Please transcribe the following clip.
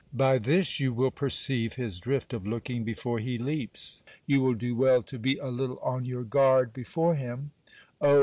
By this you will perceive his drift of looking before he leaps. You will do well to be a little on your guard be fore him. Oh !